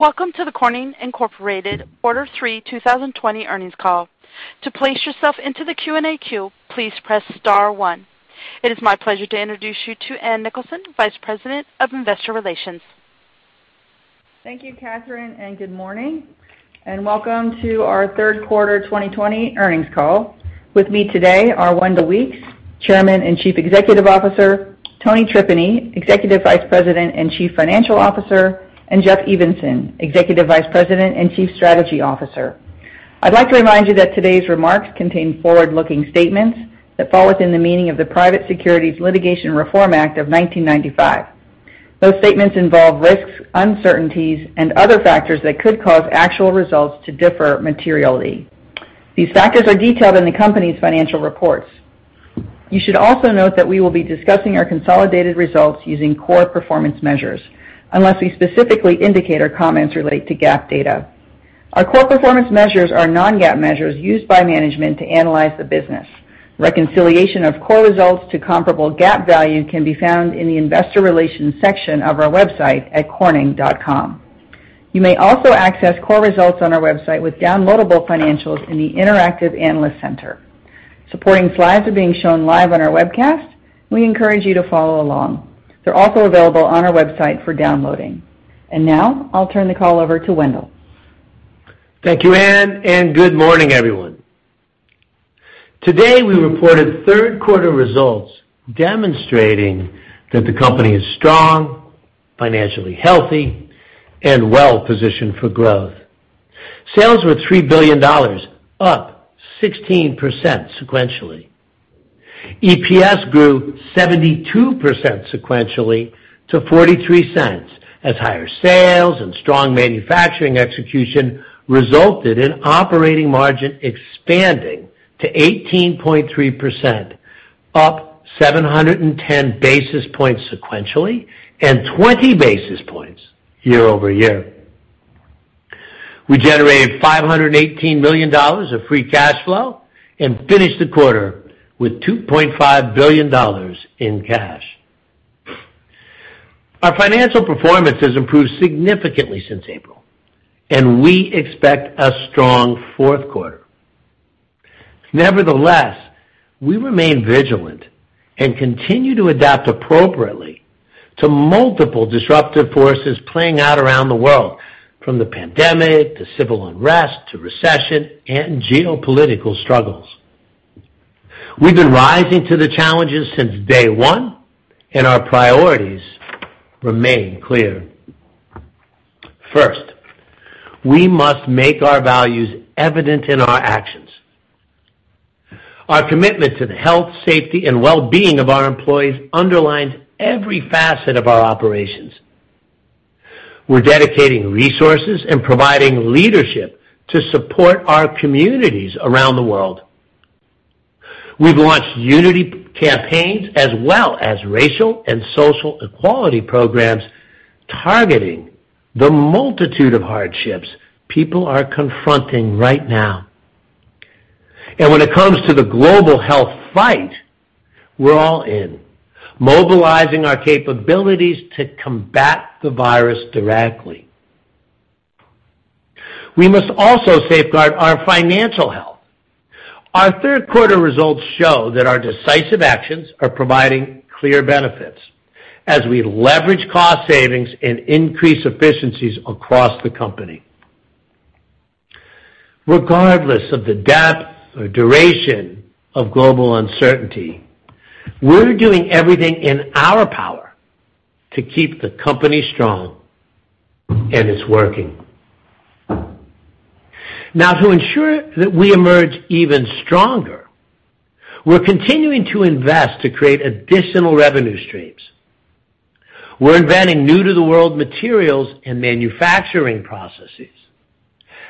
Welcome to the Corning Incorporated Quarter Three 2020 earnings call. It is my pleasure to introduce you to Ann Nicholson, Vice President of Investor Relations. Thank you, Catherine, and good morning, and welcome to our Third Quarter 2020 earnings call. With me today are Wendell Weeks, Chairman and Chief Executive Officer, Tony Tripeny, Executive Vice President and Chief Financial Officer, and Jeff Evenson, Executive Vice President and Chief Strategy Officer. I'd like to remind you that today's remarks contain forward-looking statements that fall within the meaning of the Private Securities Litigation Reform Act of 1995. Those statements involve risks, uncertainties, and other factors that could cause actual results to differ materially. These factors are detailed in the company's financial reports. You should also note that we will be discussing our consolidated results using core performance measures, unless we specifically indicate our comments relate to GAAP data. Our core performance measures are non-GAAP measures used by management to analyze the business. Reconciliation of core results to comparable GAAP value can be found in the investor relations section of our website at corning.com. You may also access core results on our website with downloadable financials in the Interactive Analyst Center. Supporting slides are being shown live on our webcast. We encourage you to follow along. They're also available on our website for downloading. Now I'll turn the call over to Wendell. Thank you, Ann, and good morning, everyone. Today, we reported Third Quarter results demonstrating that the company is strong, financially healthy, and well-positioned for growth. Sales were $3 billion, up 16% sequentially. EPS grew 72% sequentially to $0.43, as higher sales and strong manufacturing execution resulted in operating margin expanding to 18.3%, up 710 basis points sequentially and 20 basis points year-over-year. We generated $518 million of free cash flow and finished the quarter with $2.5 billion in cash. Our financial performance has improved significantly since April, and we expect a strong fourth quarter. Nevertheless, we remain vigilant and continue to adapt appropriately to multiple disruptive forces playing out around the world, from the pandemic to civil unrest to recession and geopolitical struggles. We've been rising to the challenges since day one, and our priorities remain clear. First, we must make our values evident in our actions. Our commitment to the health, safety, and well-being of our employees underlines every facet of our operations. We're dedicating resources and providing leadership to support our communities around the world. We've launched unity campaigns as well as racial and social equality programs targeting the multitude of hardships people are confronting right now. When it comes to the global health fight, we're all in, mobilizing our capabilities to combat the virus directly. We must also safeguard our financial health. Our third quarter results show that our decisive actions are providing clear benefits as we leverage cost savings and increase efficiencies across the company. Regardless of the depth or duration of global uncertainty, we're doing everything in our power to keep the company strong, it's working. To ensure that we emerge even stronger, we're continuing to invest to create additional revenue streams. We're inventing new-to-the-world materials and manufacturing processes,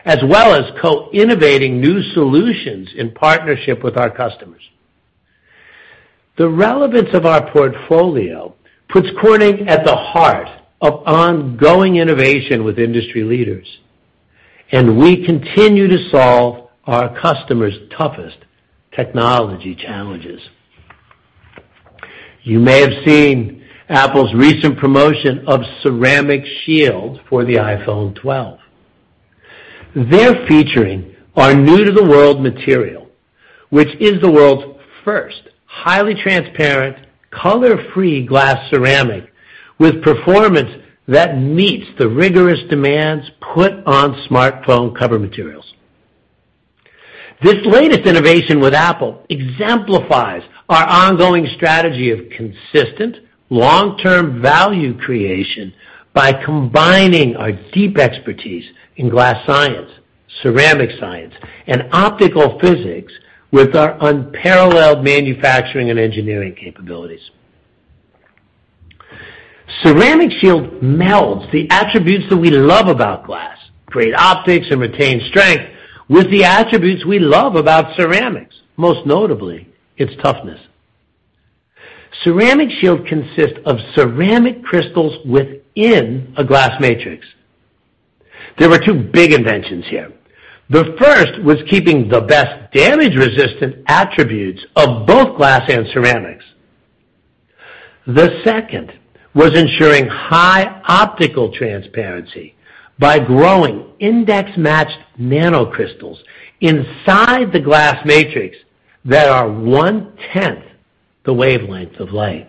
as well as co-innovating new solutions in partnership with our customers. The relevance of our portfolio puts Corning at the heart of ongoing innovation with industry leaders, and we continue to solve our customers' toughest technology challenges. You may have seen Apple's recent promotion of Ceramic Shield for the iPhone 12. They're featuring our new-to-the-world material, which is the world's first highly transparent, color-free glass ceramic with performance that meets the rigorous demands put on smartphone cover materials. This latest innovation with Apple exemplifies our ongoing strategy of consistent long-term value creation by combining our deep expertise in glass science, ceramic science, and optical physics with our unparalleled manufacturing and engineering capabilities. Ceramic Shield melds the attributes that we love about glass, great optics and retained strength, with the attributes we love about ceramics, most notably its toughness. Ceramic Shield consists of ceramic crystals within a glass matrix. There were two big inventions here. The first was keeping the best damage-resistant attributes of both glass and ceramics. The second was ensuring high optical transparency by growing index-matched nanocrystals inside the glass matrix that are one-tenth the wavelength of light.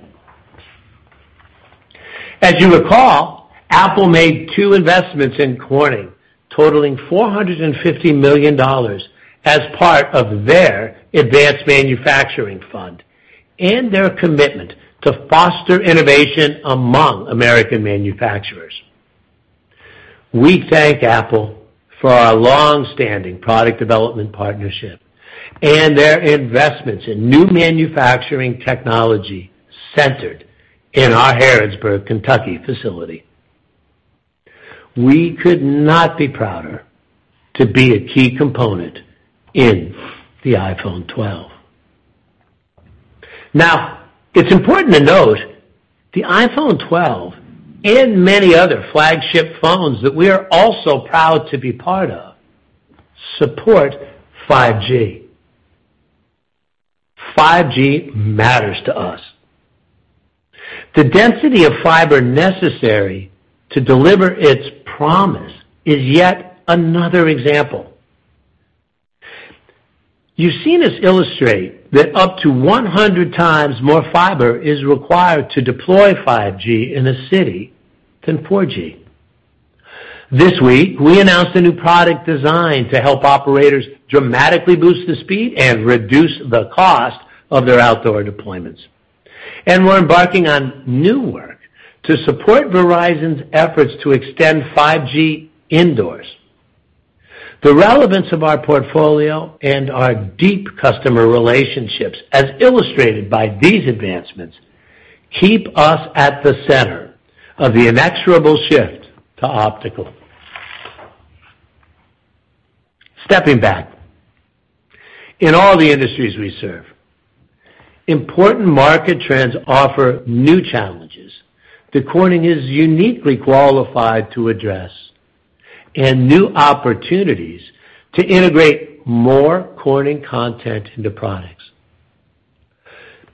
As you recall, Apple made two investments in Corning totaling $450 million as part of their advanced manufacturing fund and their commitment to foster innovation among American manufacturers. We thank Apple for our longstanding product development partnership and their investments in new manufacturing technology centered in our Harrodsburg, Kentucky facility. We could not be prouder to be a key component in the iPhone 12. Now, it's important to note the iPhone 12 and many other flagship phones that we are also proud to be part of, support 5G. 5G matters to us. The density of fiber necessary to deliver its promise is yet another example. You've seen us illustrate that up to 100 times more fiber is required to deploy 5G in a city than 4G. This week, we announced a new product design to help operators dramatically boost the speed and reduce the cost of their outdoor deployments. We're embarking on new work to support Verizon's efforts to extend 5G indoors. The relevance of our portfolio and our deep customer relationships, as illustrated by these advancements, keep us at the center of the inexorable shift to optical. Stepping back, in all the industries we serve, important market trends offer new challenges that Corning is uniquely qualified to address, and new opportunities to integrate more Corning content into products.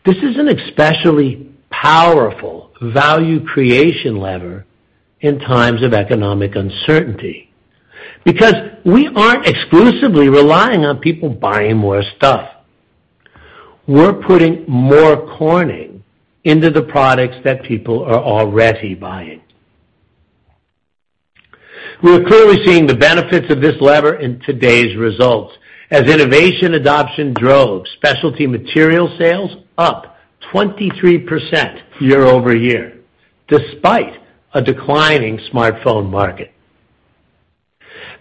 This is an especially powerful value creation lever in times of economic uncertainty because we aren't exclusively relying on people buying more stuff. We're putting more Corning into the products that people are already buying. We're clearly seeing the benefits of this lever in today's results as innovation adoption drove Specialty Materials sales up 23% year-over-year, despite a declining smartphone market.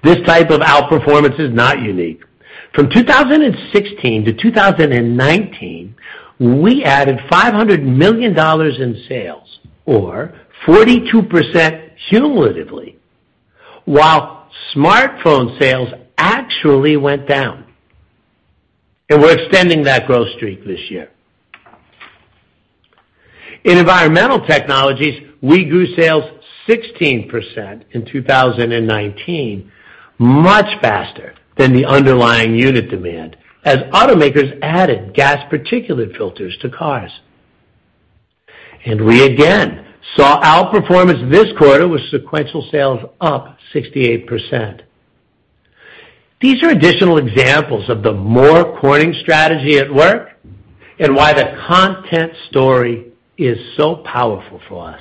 This type of outperformance is not unique. From 2016-2019, we added $500 million in sales, or 42% cumulatively, while smartphone sales actually went down. We're extending that growth streak this year. In Environmental Technologies, we grew sales 16% in 2019, much faster than the underlying unit demand as automakers added gasoline particulate filters to cars. We again saw outperformance this quarter with sequential sales up 68%. These are additional examples of the more Corning strategy at work and why the content story is so powerful for us.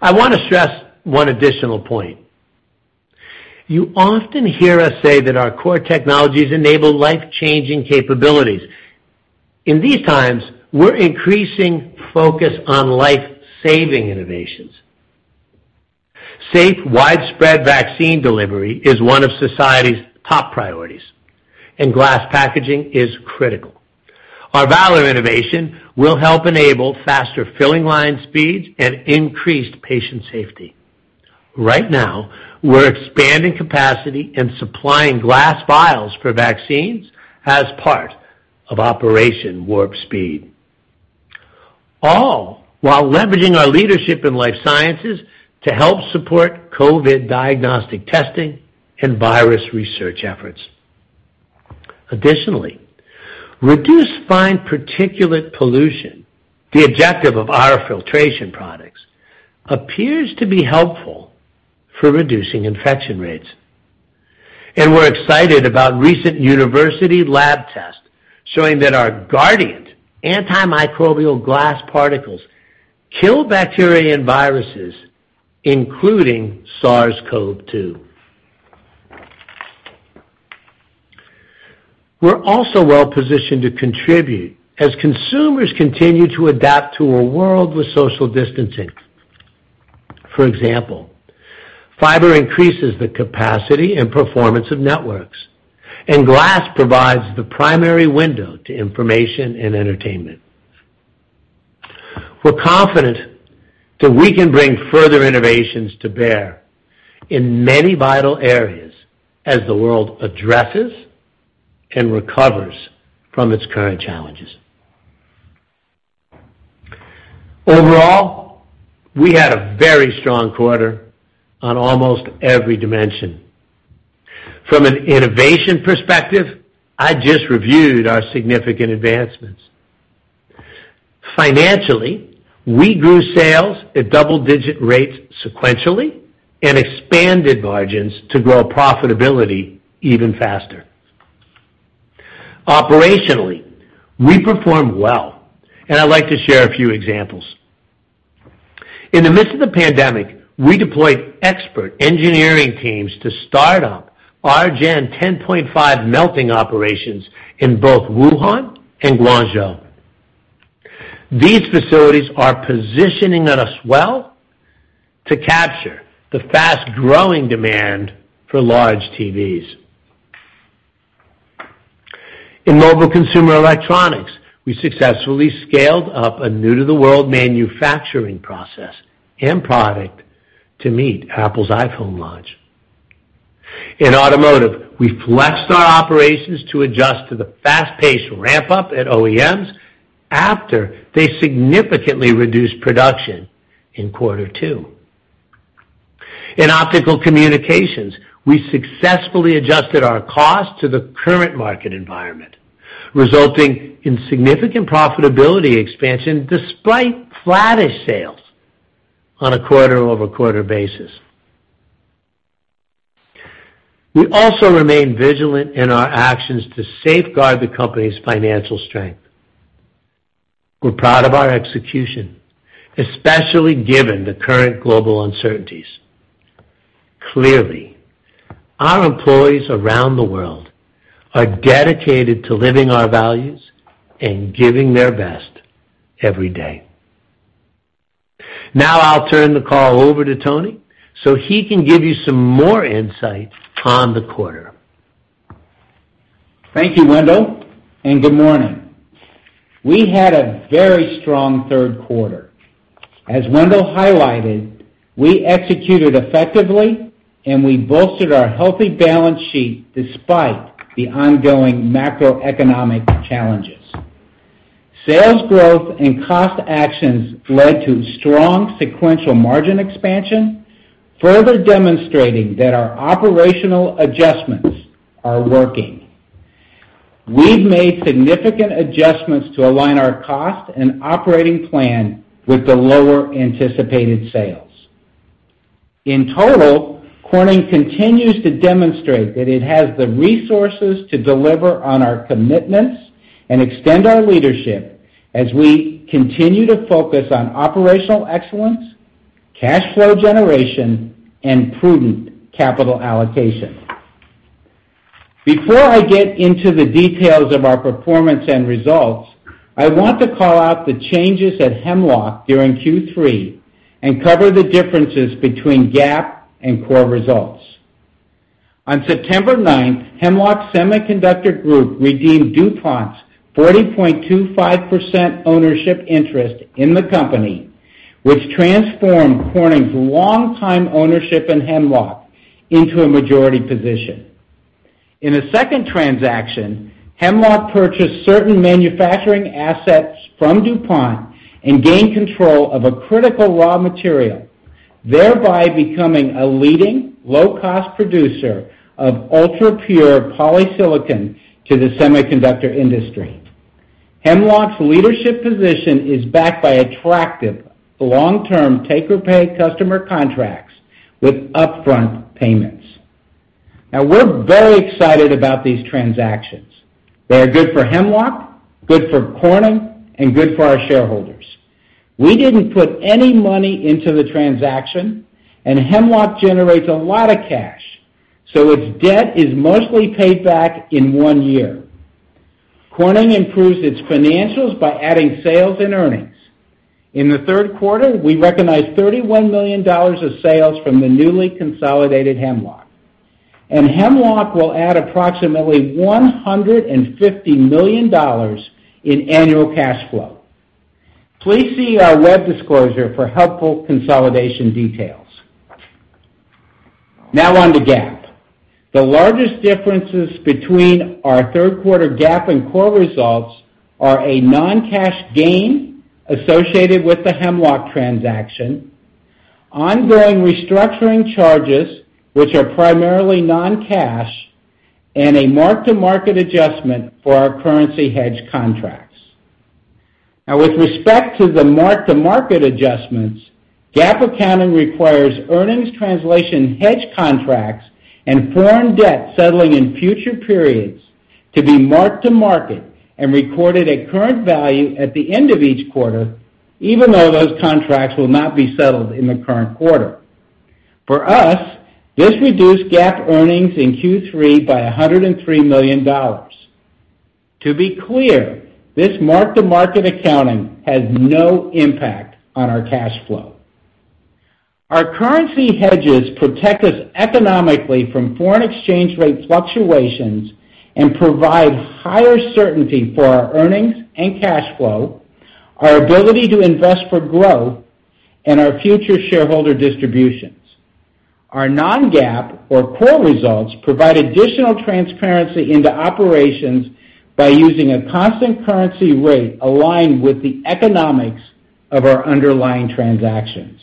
I want to stress one additional point. You often hear us say that our core technologies enable life-changing capabilities. In these times, we're increasing focus on life-saving innovations. Safe, widespread vaccine delivery is one of society's top priorities, and glass packaging is critical. Our Valor innovation will help enable faster filling line speeds and increased patient safety. Right now, we're expanding capacity and supplying glass vials for vaccines as part of Operation Warp Speed, all while leveraging our leadership in life sciences to help support COVID diagnostic testing and virus research efforts. Reduced fine particulate pollution, the objective of our filtration products, appears to be helpful for reducing infection rates. We're excited about recent university lab tests showing that our Guardiant antimicrobial glass particles kill bacteria and viruses, including SARS-CoV-2. We're also well-positioned to contribute as consumers continue to adapt to a world with social distancing. For example, fiber increases the capacity and performance of networks, and glass provides the primary window to information and entertainment. We're confident that we can bring further innovations to bear in many vital areas as the world addresses and recovers from its current challenges. Overall, we had a very strong quarter on almost every dimension. From an innovation perspective, I just reviewed our significant advancements. Financially, we grew sales at double-digit rates sequentially and expanded margins to grow profitability even faster. Operationally, we performed well, and I'd like to share a few examples. In the midst of the pandemic, we deployed expert engineering teams to start up our Gen 10.5 melting operations in both Wuhan and Guangzhou. These facilities are positioning us well to capture the fast-growing demand for large TVs. In mobile consumer electronics, we successfully scaled up a new-to-the-world manufacturing process and product to meet Apple's iPhone launch. In automotive, we flexed our operations to adjust to the fast-paced ramp-up at OEMs after they significantly reduced production in quarter two. In Optical Communications, we successfully adjusted our cost to the current market environment, resulting in significant profitability expansion despite flattish sales on a quarter-over-quarter basis. We also remain vigilant in our actions to safeguard the company's financial strength. We're proud of our execution, especially given the current global uncertainties. Clearly, our employees around the world are dedicated to living our values and giving their best every day. Now I'll turn the call over to Tony so he can give you some more insight on the quarter. Thank you, Wendell, and good morning. We had a very strong third quarter. As Wendell highlighted, we executed effectively, and we bolstered our healthy balance sheet despite the ongoing macroeconomic challenges. Sales growth and cost actions led to strong sequential margin expansion, further demonstrating that our operational adjustments are working. We've made significant adjustments to align our cost and operating plan with the lower anticipated sales. In total, Corning continues to demonstrate that it has the resources to deliver on our commitments and extend our leadership as we continue to focus on operational excellence, cash flow generation, and prudent capital allocation. Before I get into the details of our performance and results, I want to call out the changes at Hemlock during Q3 and cover the differences between GAAP and core results. On September 9th, Hemlock Semiconductor Group redeemed DuPont's 40.25% ownership interest in the company, which transformed Corning's longtime ownership in Hemlock into a majority position. In a second transaction, Hemlock purchased certain manufacturing assets from DuPont and gained control of a critical raw material, thereby becoming a leading low-cost producer of ultra-pure polysilicon to the semiconductor industry. Hemlock's leadership position is backed by attractive long-term take-or-pay customer contracts with upfront payments. We're very excited about these transactions. They are good for Hemlock, good for Corning, and good for our shareholders. We didn't put any money into the transaction, and Hemlock generates a lot of cash, so its debt is mostly paid back in one year. Corning improves its financials by adding sales and earnings. In the third quarter, we recognized $31 million of sales from the newly consolidated Hemlock. Hemlock will add approximately $150 million in annual cash flow. Please see our web disclosure for helpful consolidation details. On to GAAP. The largest differences between our third quarter GAAP and core results are a non-cash gain associated with the Hemlock transaction, ongoing restructuring charges, which are primarily non-cash, and a mark-to-market adjustment for our currency hedge contracts. With respect to the mark-to-market adjustments, GAAP accounting requires earnings translation hedge contracts and foreign debt settling in future periods to be mark to market and recorded at current value at the end of each quarter, even though those contracts will not be settled in the current quarter. For us, this reduced GAAP earnings in Q3 by $103 million. To be clear, this mark-to-market accounting has no impact on our cash flow. Our currency hedges protect us economically from foreign exchange rate fluctuations and provide higher certainty for our earnings and cash flow, our ability to invest for growth, and our future shareholder distributions. Our non-GAAP or core results provide additional transparency into operations by using a constant currency rate aligned with the economics of our underlying transactions.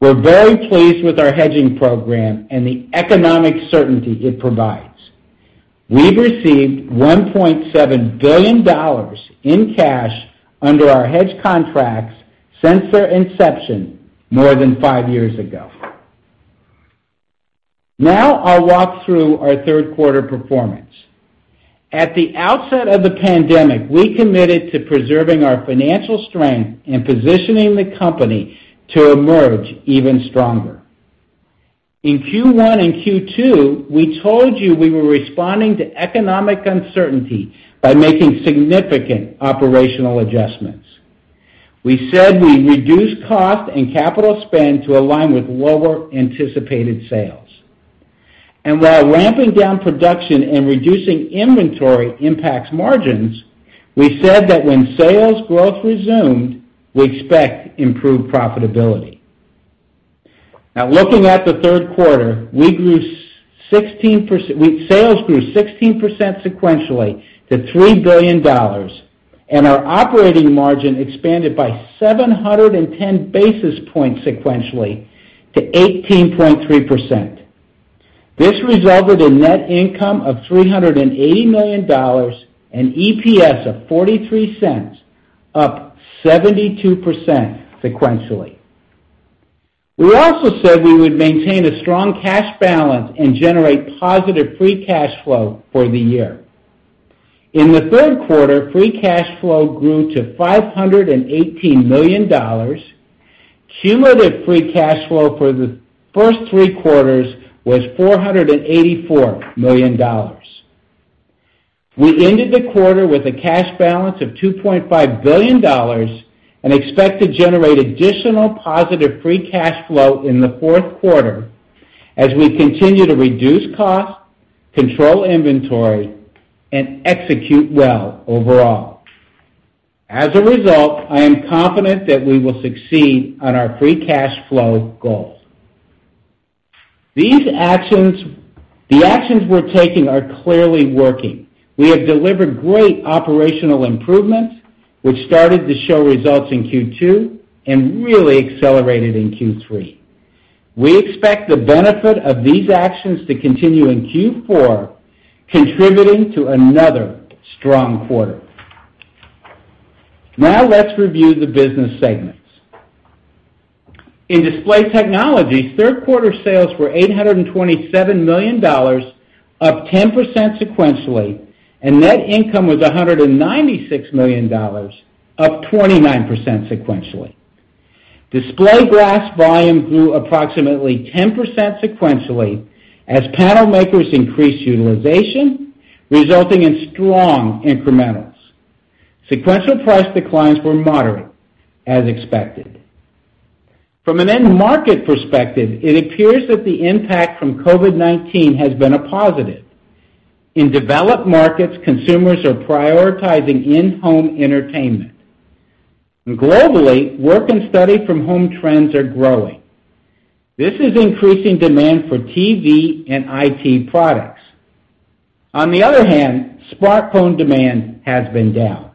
We're very pleased with our hedging program and the economic certainty it provides. We've received $1.7 billion in cash under our hedge contracts since their inception more than five years ago. Now I'll walk through our third quarter performance. At the outset of the pandemic, we committed to preserving our financial strength and positioning the company to emerge even stronger. In Q1 and Q2, we told you we were responding to economic uncertainty by making significant operational adjustments. We said we'd reduce cost and capital spend to align with lower anticipated sales. While ramping down production and reducing inventory impacts margins, we said that when sales growth resumed, we expect improved profitability. Looking at the third quarter, sales grew 16% sequentially to $3 billion, and our operating margin expanded by 710 basis points sequentially to 18.3%. This resulted in net income of $380 million and EPS of $0.43, up 72% sequentially. We also said we would maintain a strong cash balance and generate positive free cash flow for the year. In the third quarter, free cash flow grew to $518 million. Cumulative free cash flow for the first three quarters was $484 million. We ended the quarter with a cash balance of $2.5 billion and expect to generate additional positive free cash flow in the fourth quarter as we continue to reduce cost, control inventory, and execute well overall. As a result, I am confident that we will succeed on our free cash flow goals. The actions we're taking are clearly working. We have delivered great operational improvements, which started to show results in Q2 and really accelerated in Q3. We expect the benefit of these actions to continue in Q4, contributing to another strong quarter. Let's review the business segments. In Display Technologies, third quarter sales were $827 million, up 10% sequentially, and net income was $196 million, up 29% sequentially. Display glass volume grew approximately 10% sequentially as panel makers increased utilization, resulting in strong incrementals. Sequential price declines were moderate, as expected. From an end market perspective, it appears that the impact from COVID-19 has been a positive. In developed markets, consumers are prioritizing in-home entertainment. Globally, work and study from home trends are growing. This is increasing demand for TV and IT products. On the other hand, smartphone demand has been down.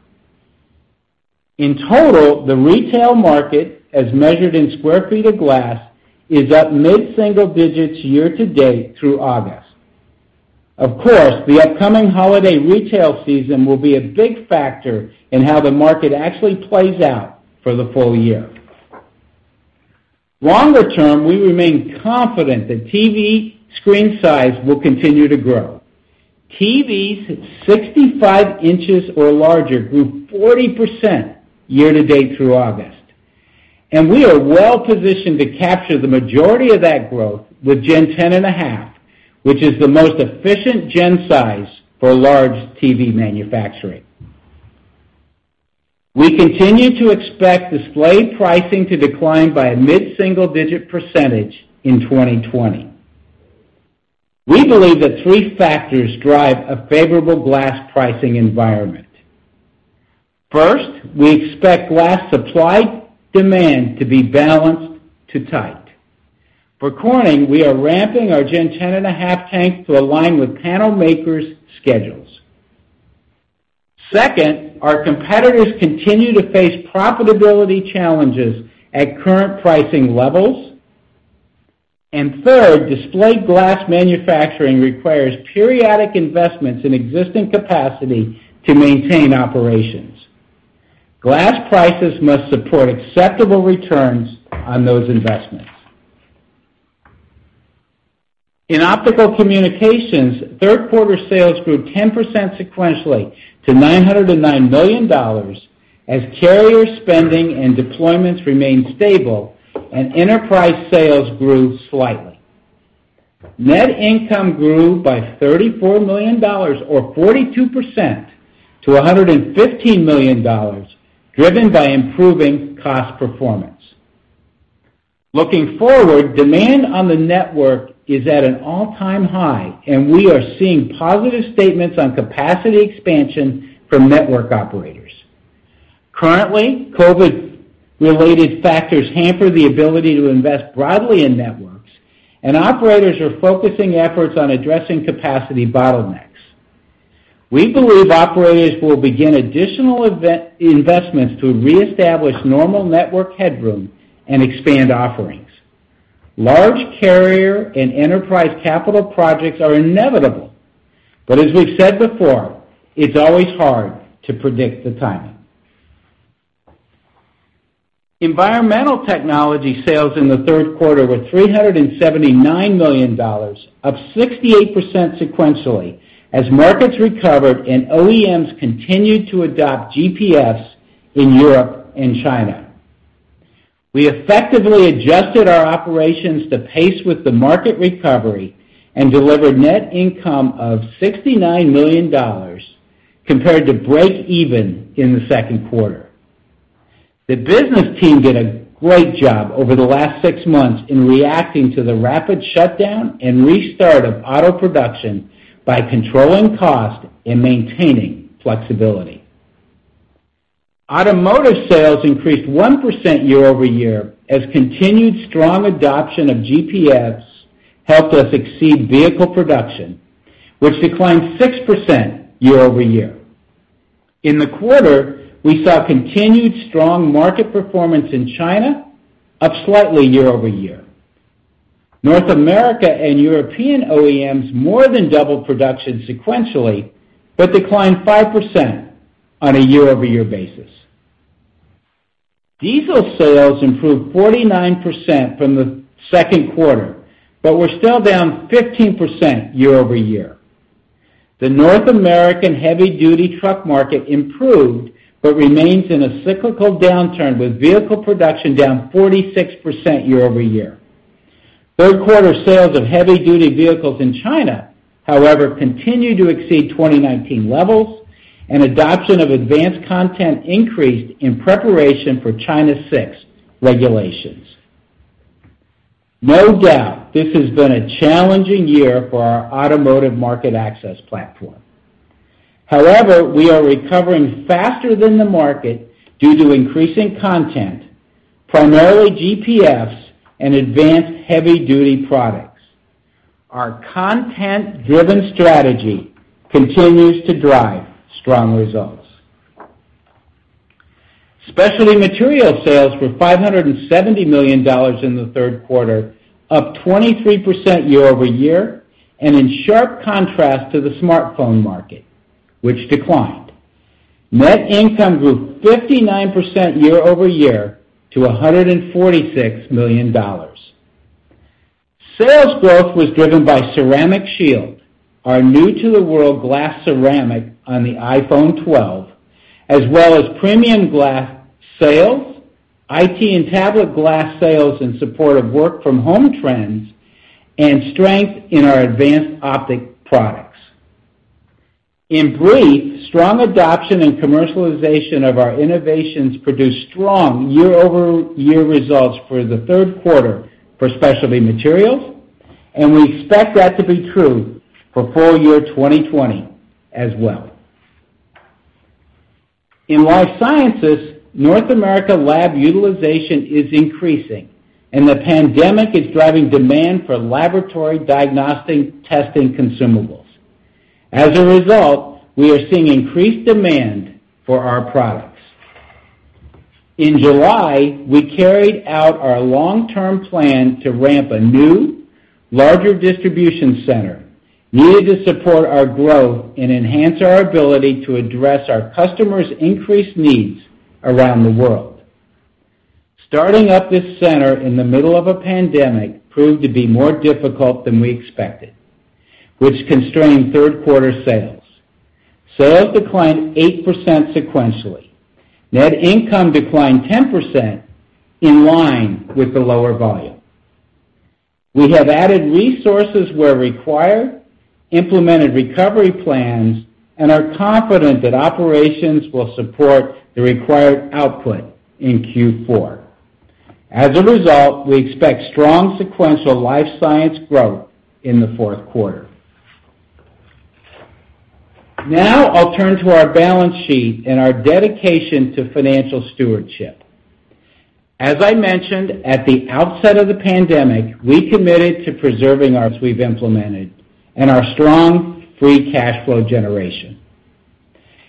In total, the retail market, as measured in square feet of glass, is up mid-single digits year-to-date through August. Of course, the upcoming holiday retail season will be a big factor in how the market actually plays out for the full year. Longer term, we remain confident that TV screen size will continue to grow. TVs 65 inches or larger grew 40% year-to-date through August, and we are well positioned to capture the majority of that growth with Gen 10.5, which is the most efficient Gen size for large TV manufacturing. We continue to expect display pricing to decline by a mid-single digit percentage in 2020. We believe that three factors drive a favorable glass pricing environment. First, we expect glass supply-demand to be balanced to tight. For Corning, we are ramping our Gen 10.5 tank to align with panel makers' schedules. Second, our competitors continue to face profitability challenges at current pricing levels. Third, display glass manufacturing requires periodic investments in existing capacity to maintain operations. Glass prices must support acceptable returns on those investments. In Optical Communications, third quarter sales grew 10% sequentially to $909 million as carrier spending and deployments remained stable and enterprise sales grew slightly. Net income grew by $34 million or 42% to $115 million, driven by improving cost performance. Looking forward, demand on the network is at an all-time high, and we are seeing positive statements on capacity expansion from network operators. Currently, COVID-related factors hamper the ability to invest broadly in networks, and operators are focusing efforts on addressing capacity bottlenecks. We believe operators will begin additional investments to reestablish normal network headroom and expand offerings. Large carrier and enterprise capital projects are inevitable. As we've said before, it's always hard to predict the timing. Environmental Technologies sales in the third quarter were $379 million, up 68% sequentially as markets recovered and OEMs continued to adopt GPF in Europe and China. We effectively adjusted our operations to pace with the market recovery and delivered net income of $69 million compared to breakeven in the second quarter. The business team did a great job over the last six months in reacting to the rapid shutdown and restart of auto production by controlling cost and maintaining flexibility. Automotive sales increased 1% year-over-year as continued strong adoption of GPF helped us exceed vehicle production, which declined 6% year-over-year. In the quarter, we saw continued strong market performance in China, up slightly year-over-year. North America and European OEMs more than doubled production sequentially, but declined 5% on a year-over-year basis. Diesel sales improved 49% from the second quarter, but were still down 15% year-over-year. The North American heavy duty truck market improved but remains in a cyclical downturn with vehicle production down 46% year-over-year. Third quarter sales of heavy duty vehicles in China however continued to exceed 2019 levels, and adoption of advanced content increased in preparation for China 6 regulations. No doubt, this has been a challenging year for our automotive market access platform. However, we are recovering faster than the market due to increasing content, primarily GPF and advanced heavy duty products. Our content-driven strategy continues to drive strong results. Specialty Materials sales were $570 million in the third quarter, up 23% year-over-year, and in sharp contrast to the smartphone market, which declined. Net income grew 59% year-over-year to $146 million. Sales growth was driven by Ceramic Shield, our new-to-the-world glass ceramic on the iPhone 12, as well as premium glass sales, IT and tablet glass sales in support of work-from-home trends, and strength in our advanced optic products. In brief, strong adoption and commercialization of our innovations produced strong year-over-year results for the third quarter for Specialty Materials, and we expect that to be true for full year 2020 as well. In Life Sciences, North America lab utilization is increasing, and the pandemic is driving demand for laboratory diagnostic testing consumables. As a result, we are seeing increased demand for our products. In July, we carried out our long-term plan to ramp a new, larger distribution center needed to support our growth and enhance our ability to address our customers' increased needs around the world. Starting up this center in the middle of a pandemic proved to be more difficult than we expected, which constrained third quarter sales. Sales declined 8% sequentially. Net income declined 10%, in line with the lower volume. We have added resources where required, implemented recovery plans, and are confident that operations will support the required output in Q4. As a result, we expect strong sequential life science growth in the fourth quarter. Now I'll turn to our balance sheet and our dedication to financial stewardship. As I mentioned at the outset of the pandemic, we committed to preserving our strong free cash flow generation.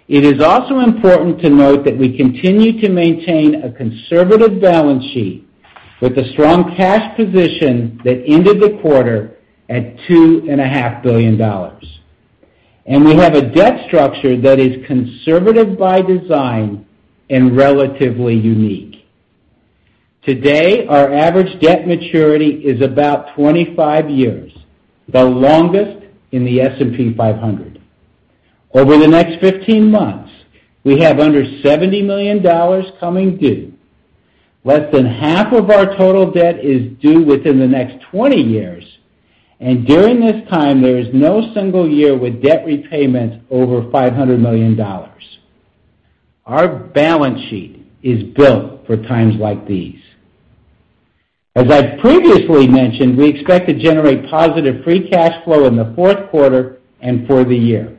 It is also important to note that we continue to maintain a conservative balance sheet with a strong cash position that ended the quarter at $2.5 billion. We have a debt structure that is conservative by design and relatively unique. Today, our average debt maturity is about 25 years, the longest in the S&P 500. Over the next 15 months, we have under $70 million coming due. Less than half of our total debt is due within the next 20 years, and during this time, there is no single year with debt repayment over $500 million. Our balance sheet is built for times like these. As I've previously mentioned, we expect to generate positive free cash flow in the fourth quarter and for the year.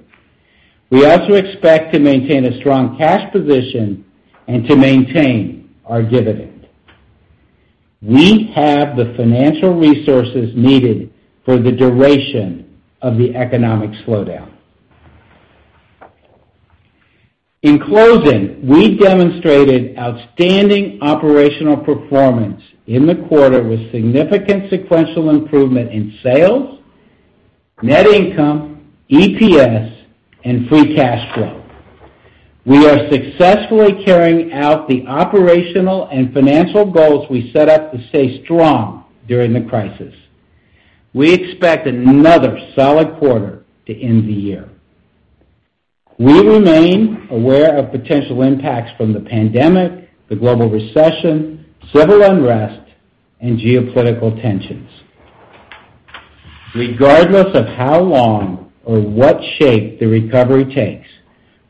We also expect to maintain a strong cash position and to maintain our dividend. We have the financial resources needed for the duration of the economic slowdown. In closing, we demonstrated outstanding operational performance in the quarter with significant sequential improvement in sales, net income, EPS, and free cash flow. We are successfully carrying out the operational and financial goals we set up to stay strong during the crisis. We expect another solid quarter to end the year. We remain aware of potential impacts from the pandemic, the global recession, civil unrest, and geopolitical tensions. Regardless of how long or what shape the recovery takes,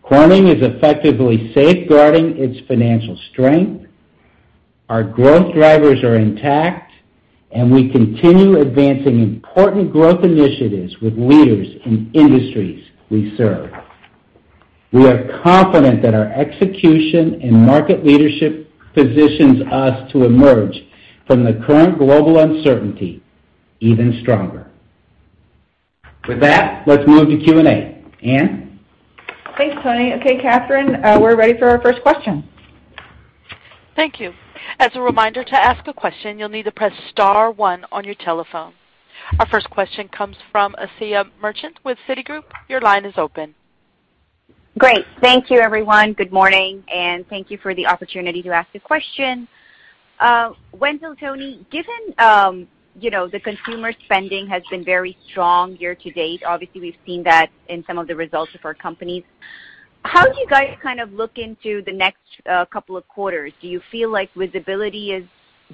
Corning is effectively safeguarding its financial strength. Our growth drivers are intact, and we continue advancing important growth initiatives with leaders in industries we serve. We are confident that our execution and market leadership positions us to emerge from the current global uncertainty even stronger. With that, let's move to Q&A. Ann? Thanks, Tony. Okay, Catherine, we're ready for our first question. Thank you. As a reminder, to ask a question, you'll need to press star one on your telephone. Our first question comes from Asiya Merchant with Citigroup. Your line is open. Great. Thank you, everyone. Good morning, thank you for the opportunity to ask a question. Wendell, Tony, given the consumer spending has been very strong year-to-date, obviously we've seen that in some of the results of our companies, how do you guys look into the next couple of quarters? Do you feel like visibility is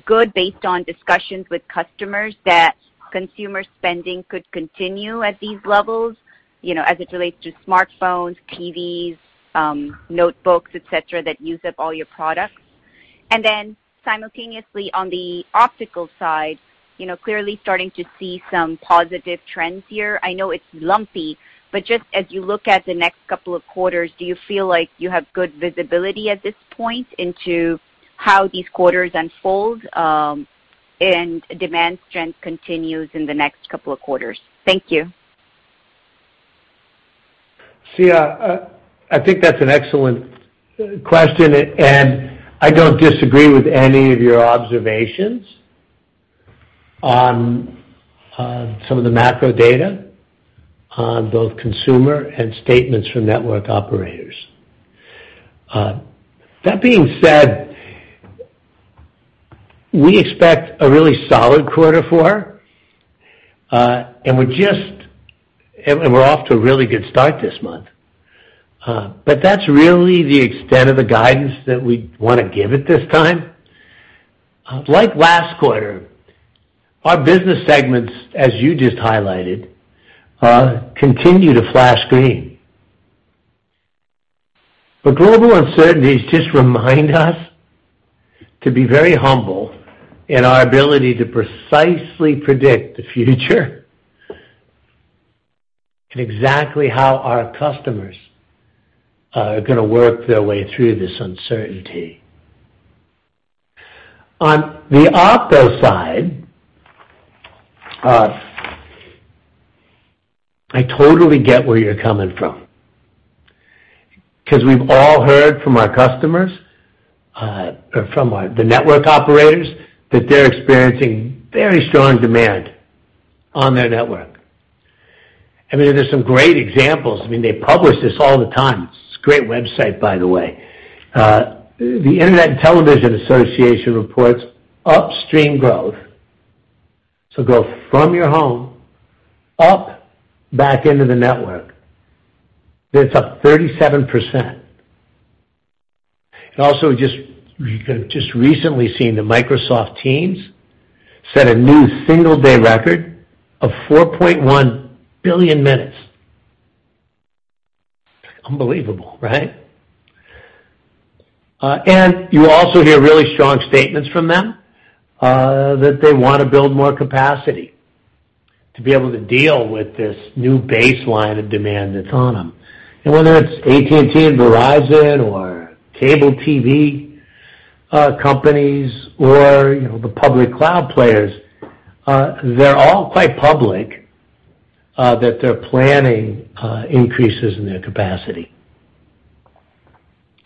good based on discussions with customers that consumer spending could continue at these levels, as it relates to smartphones, TVs, notebooks, et cetera, that use up all your products? Simultaneously on the optical side, clearly starting to see some positive trends here. I know it's lumpy, but just as you look at the next couple of quarters, do you feel like you have good visibility at this point into how these quarters unfold, and demand strength continues in the next couple of quarters? Thank you. Asiya, I don't disagree with any of your observations on some of the macro data on both consumer and statements from network operators. That being said, we expect a really solid quarter four. We're off to a really good start this month. That's really the extent of the guidance that we want to give at this time. Like last quarter, our business segments, as you just highlighted, continue to flash green. Global uncertainties just remind us to be very humble in our ability to precisely predict the future and exactly how our customers are gonna work their way through this uncertainty. On the Optical side, I totally get where you're coming from, because we've all heard from our customers, or from the network operators, that they're experiencing very strong demand on their network. There's some great examples. They publish this all the time. It's a great website by the way. The Internet and Television Association reports upstream growth. Growth from your home up back into the network. That's up 37%. Also just recently seen the Microsoft Teams set a new single-day record of 4.1 billion minutes. Unbelievable, right. You also hear really strong statements from them, that they want to build more capacity to be able to deal with this new baseline of demand that's on them. Whether it's AT&T and Verizon or cable TV companies or the public cloud players, they're all quite public that they're planning increases in their capacity.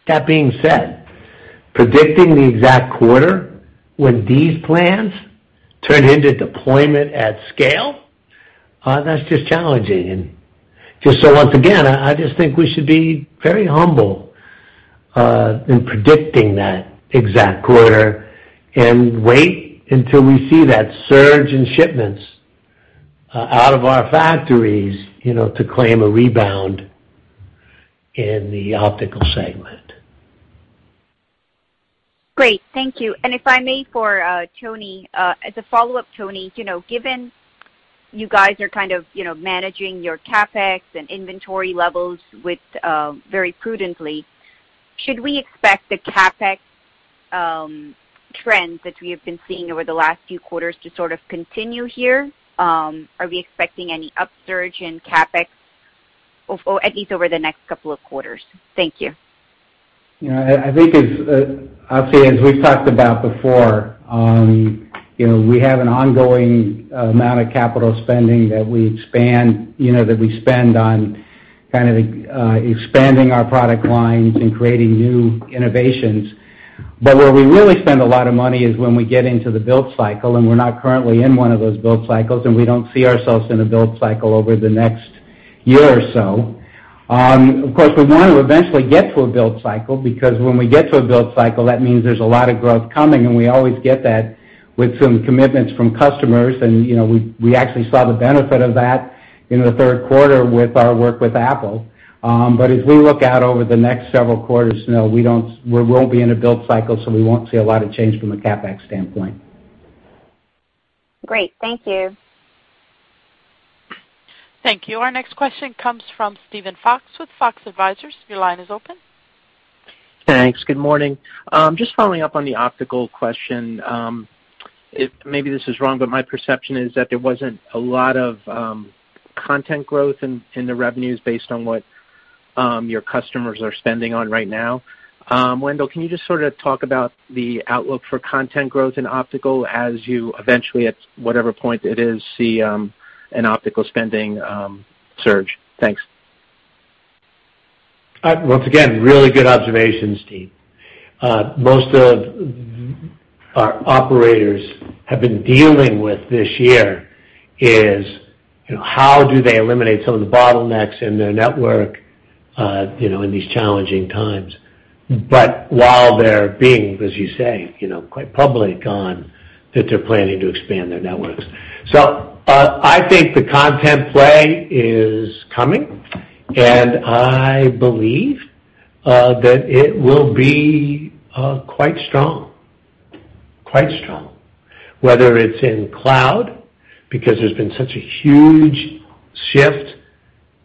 That being said, predicting the exact quarter when these plans turn into deployment at scale, that's just challenging. Just once again, I just think we should be very humble in predicting that exact quarter and wait until we see that surge in shipments out of our factories to claim a rebound in the optical segment. Great. Thank you. If I may for Tony, as a follow-up, Tony, given you guys are managing your CapEx and inventory levels very prudently. Should we expect the CapEx trends that we have been seeing over the last few quarters to continue here? Are we expecting any upsurge in CapEx, at least over the next couple of quarters? Thank you. I'll say, as we've talked about before, we have an ongoing amount of capital spending that we spend on expanding our product lines and creating new innovations. Where we really spend a lot of money is when we get into the build cycle, and we're not currently in one of those build cycles, and we don't see ourselves in a build cycle over the next year or so. Of course, we want to eventually get to a build cycle because when we get to a build cycle, that means there's a lot of growth coming, and we always get that with some commitments from customers, and we actually saw the benefit of that in the third quarter with our work with Apple. As we look out over the next several quarters, we won't be in a build cycle, so we won't see a lot of change from a CapEx standpoint. Great. Thank you. Thank you. Our next question comes from Steven Fox with Fox Advisors. Your line is open. Thanks. Good morning. Just following up on the Optical question. Maybe this is wrong, but my perception is that there wasn't a lot of content growth in the revenues based on what your customers are spending on right now. Wendell, can you just talk about the outlook for content growth in Optical as you eventually, at whatever point it is, see an Optical spending surge? Thanks. Once again, really good observations, Steve. Most of our operators have been dealing with this year is, how do they eliminate some of the bottlenecks in their network in these challenging times? While they're being, as you say, quite public on that they're planning to expand their networks. I think the content play is coming, and I believe that it will be quite strong. Whether it's in cloud, because there's been such a huge shift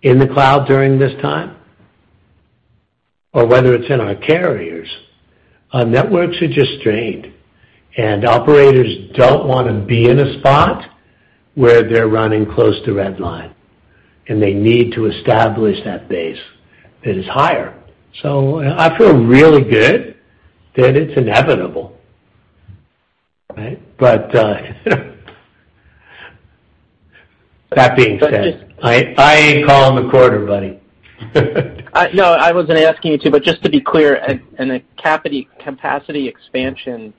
in the cloud during this time, or whether it's in our carriers. Networks are just strained, and operators don't want to be in a spot where they're running close to red line, and they need to establish that base that is higher. I feel really good that it's inevitable. That being said, I ain't calling the quarter, buddy. No, I wasn't asking you to, but just to be clear, a capacity expansion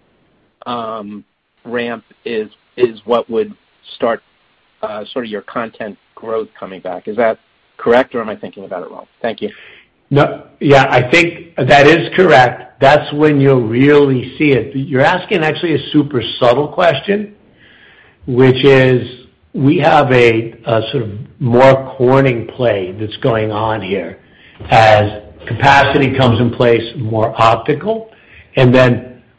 ramp is what would start your content growth coming back. Is that correct, or am I thinking about it wrong? Thank you. Yeah, I think that is correct. That's when you'll really see it. You're asking actually a super subtle question, which is we have a sort of more Corning play that's going on here. As capacity comes in place, more optical.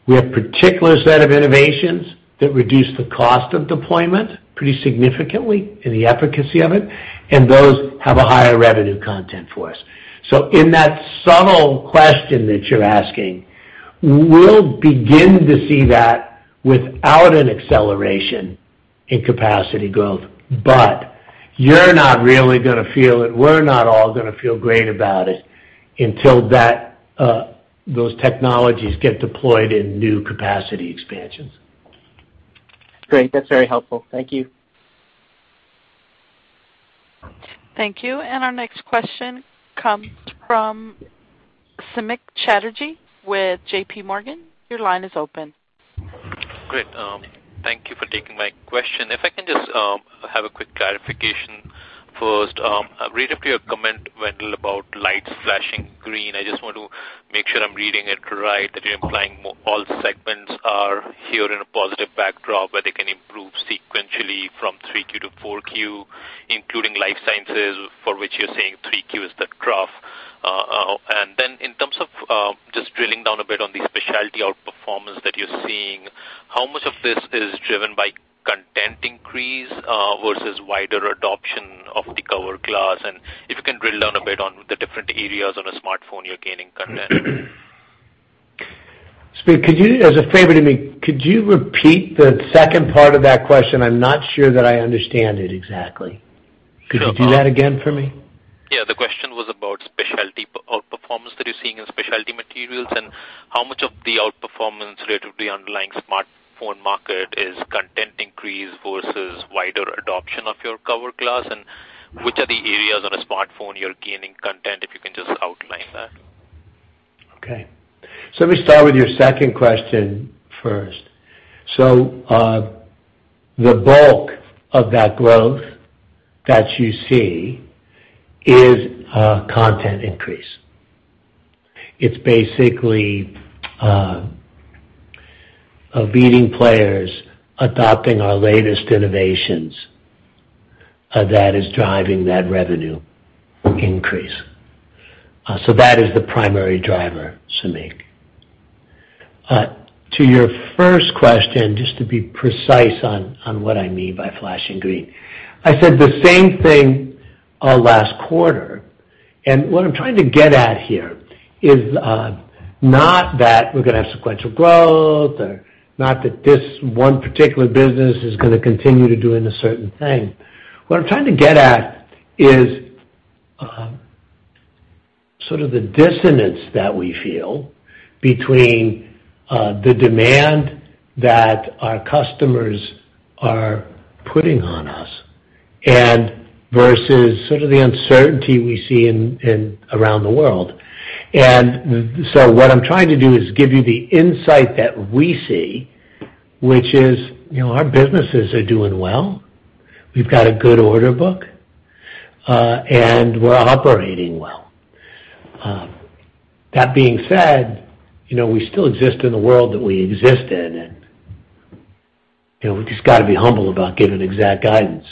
We have particular set of innovations that reduce the cost of deployment pretty significantly in the efficacy of it, and those have a higher revenue content for us. In that subtle question that you're asking, we'll begin to see that without an acceleration in capacity growth. You're not really going to feel it, we're not all going to feel great about it until those technologies get deployed in new capacity expansions. Great. That's very helpful. Thank you. Thank you. Our next question comes from Samik Chatterjee with JPMorgan. Your line is open. Great. Thank you for taking my question. I can just have a quick clarification first. I read your comment, Wendell, about lights flashing green. Want to make sure I'm reading it right, that you're implying all segments are here in a positive backdrop where they can improve sequentially from 3Q-4Q, including life sciences, for which you're saying 3Q is the trough. In terms of just drilling down a bit on the Specialty outperformance that you're seeing, how much of this is driven by content increase versus wider adoption of the cover glass? If you can drill down a bit on the different areas on a smartphone you're gaining content. Samik, as a favor to me, could you repeat the second part of that question? I'm not sure that I understand it exactly. Could you do that again for me? Yeah. The question was about specialty outperformance that you're seeing in Specialty Materials, and how much of the outperformance rate of the underlying smartphone market is content increase versus wider adoption of your cover glass, and which are the areas on a smartphone you're gaining content, if you can just outline that. Okay. Let me start with your second question first. The bulk of that growth that you see is a content increase. It's basically leading players adopting our latest innovations that is driving that revenue increase. That is the primary driver, Samik. To your first question, just to be precise on what I mean by flashing green. I said the same thing last quarter, and what I'm trying to get at here is not that we're going to have sequential growth or not that this one particular business is going to continue to doing a certain thing. What I'm trying to get at is sort of the dissonance that we feel between the demand that our customers are putting on us and versus sort of the uncertainty we see around the world. What I'm trying to do is give you the insight that we see, which is our businesses are doing well. We've got a good order book. We're operating well. That being said, we still exist in the world that we exist in, and we've just got to be humble about giving exact guidance.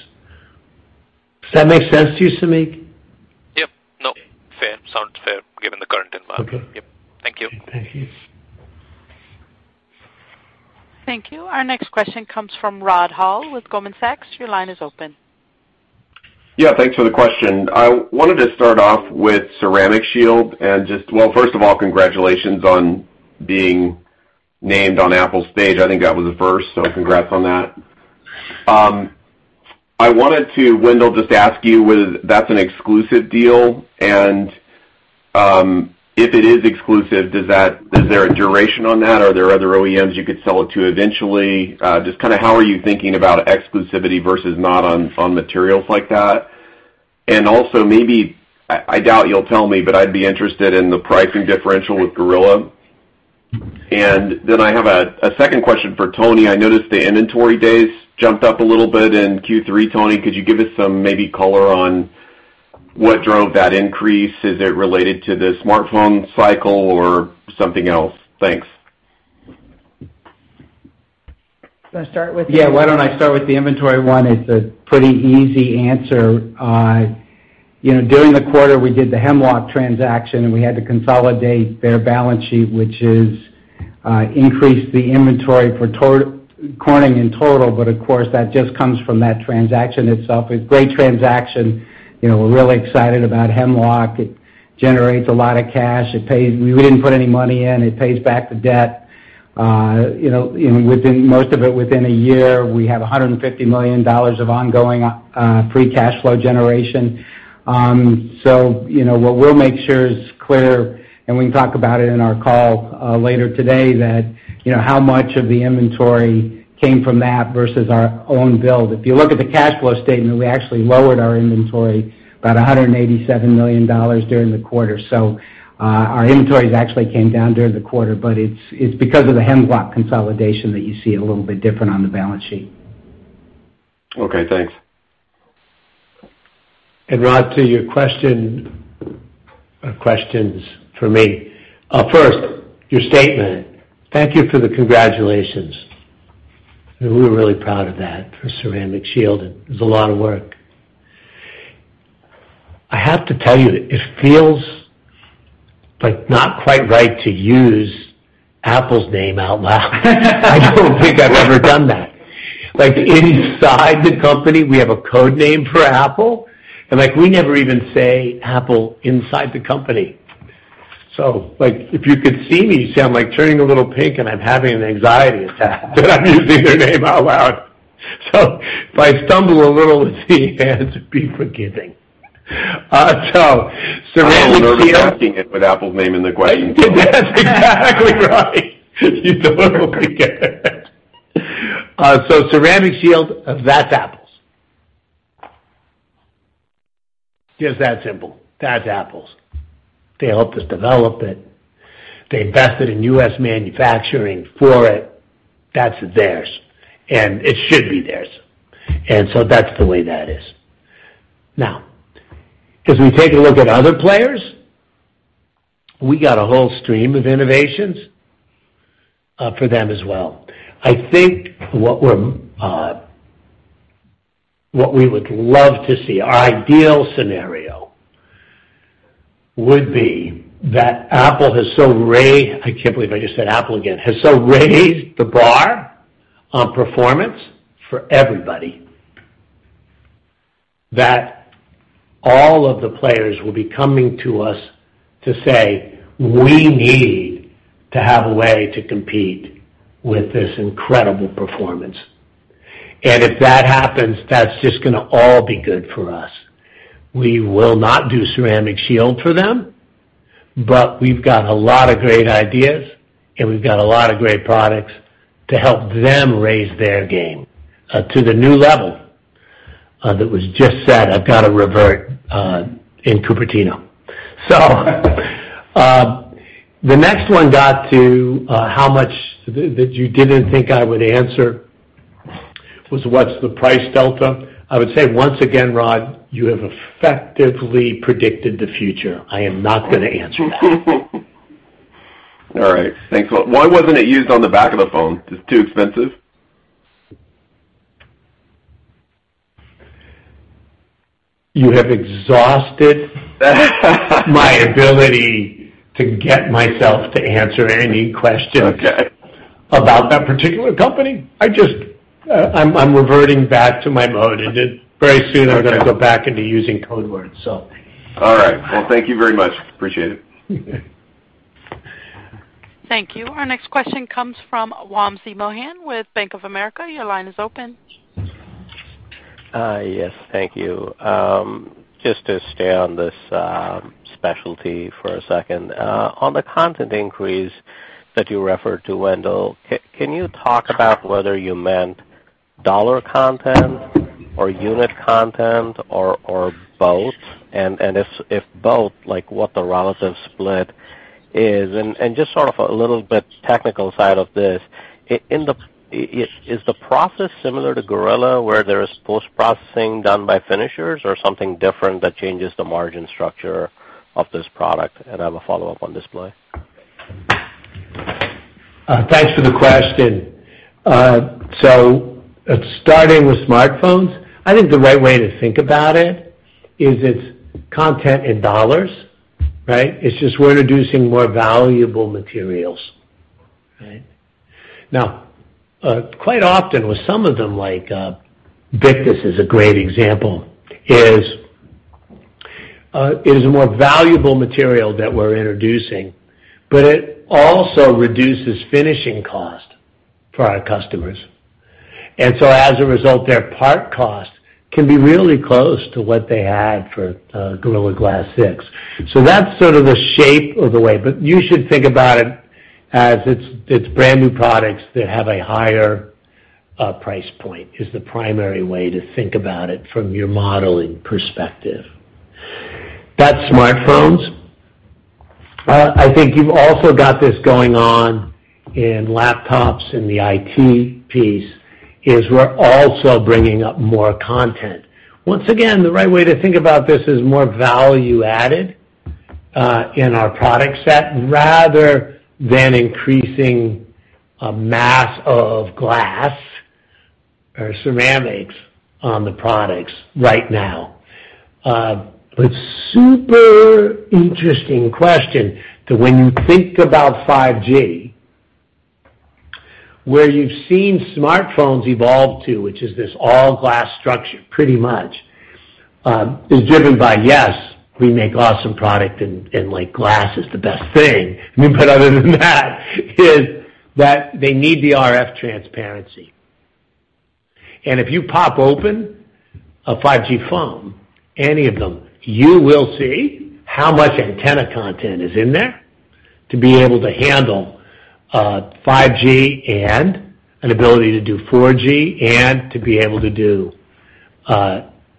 Does that make sense to you, Samik? Yep. No. Sounds fair given the current environment. Okay. Yep. Thank you. Thank you. Thank you. Our next question comes from Rod Hall with Goldman Sachs. Your line is open. Yeah, thanks for the question. I wanted to start off with Ceramic Shield and well, first of all, congratulations on being named on Apple stage. I think that was a first, congrats on that. I wanted to, Wendell, just ask you whether that's an exclusive deal, and if it is exclusive, is there a duration on that, or are there other OEMs you could sell it to eventually? Just how are you thinking about exclusivity versus not on materials like that? Also maybe, I doubt you'll tell me, but I'd be interested in the pricing differential with Gorilla. I have a second question for Tony. I noticed the inventory days jumped up a little bit in Q3. Tony, could you give us some maybe color on what drove that increase? Is it related to the smartphone cycle or something else? Thanks. Do you want to start with? Why don't I start with the inventory one? It's a pretty easy answer. During the quarter, we did the Hemlock transaction, and we had to consolidate their balance sheet, which increased the inventory for Corning in total. Of course, that just comes from that transaction itself. A great transaction. We're really excited about Hemlock. It generates a lot of cash. We didn't put any money in. It pays back the debt. Most of it within a year, we have $150 million of ongoing free cash flow generation. What we'll make sure is clear, and we can talk about it in our call later today, that how much of the inventory came from that versus our own build. If you look at the cash flow statement, we actually lowered our inventory by $187 million during the quarter. Our inventories actually came down during the quarter, but it's because of the Hemlock consolidation that you see it a little bit different on the balance sheet. Okay, thanks. Rod, to your question or questions for me. First, your statement. Thank you for the congratulations. We're really proud of that for Ceramic Shield, and it was a lot of work. I have to tell you, it feels like not quite right to use Apple's name out loud. I don't think I've ever done that. Inside the company, we have a code name for Apple, and we never even say Apple inside the company. If you could see me, you'd see I'm turning a little pink, and I'm having an anxiety attack that I'm using their name out loud. If I stumble a little with the answer, be forgiving. Ceramic Shield- I don't remember asking it with Apple's name in the question. That's exactly right. You don't remember. Ceramic Shield, that's Apple's. Just that simple. That's Apple's. They helped us develop it. They invested in U.S. manufacturing for it. That's theirs, and it should be theirs. That's the way that is. Now, as we take a look at other players, we got a whole stream of innovations for them as well. I think what we would love to see, our ideal scenario would be that Apple, I can't believe I just said Apple again, has so raised the bar on performance for everybody that all of the players will be coming to us to say, "We need to have a way to compete with this incredible performance." If that happens, that's just going to all be good for us. We will not do Ceramic Shield for them, but we've got a lot of great ideas, and we've got a lot of great products to help them raise their game to the new level that was just set, I've got to revert, in Cupertino. The next one got to how much, that you didn't think I would answer, was what's the price delta? I would say once again, Rod, you have effectively predicted the future. I am not going to answer that. All right. Thanks a lot. Why wasn't it used on the back of the phone? Just too expensive? You have exhausted my ability to get myself to answer any questions. Okay. About that particular company. I'm reverting back to my mode, and very soon I'm going to go back into using code words. All right. Well, thank you very much. Appreciate it. Thank you. Our next question comes from Wamsi Mohan with Bank of America. Your line is open. Yes, thank you. Just to stay on this specialty for a second. On the content increase that you referred to, Wendell, can you talk about whether you meant dollar content or unit content or both? If both, what the relative split is? Just sort of a little technical side of this, is the process similar to Gorilla where there is post-processing done by finishers or something different that changes the margin structure of this product? I have a follow-up on display. Thanks for the question. Starting with smartphones, I think the right way to think about it is it's content in dollars. Right? It's just we're introducing more valuable materials. Right? Quite often, with some of them, Gorilla Glass Victus is a great example, is a more valuable material that we're introducing, but it also reduces finishing cost for our customers. As a result, their part cost can be really close to what they had for Gorilla Glass 6. That's sort of the shape of the way. You should think about it as it's brand-new products that have a higher price point, is the primary way to think about it from your modeling perspective. That's smartphones. I think you've also got this going on in laptops, in the IT piece, is we're also bringing up more content. Once again, the right way to think about this is more value added in our product set rather than increasing a mass of glass or ceramics on the products right now. Super interesting question to when you think about 5G, where you've seen smartphones evolve to, which is this all-glass structure, pretty much, is driven by, yes, we make awesome product and glass is the best thing. Other than that is that they need the RF transparency. If you pop open a 5G phone, any of them, you will see how much antenna content is in there to be able to handle 5G and an ability to do 4G and to be able to do